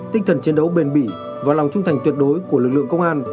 tinh thần chiến đấu bền bỉ và lòng trung thành tuyệt đối của lực lượng công an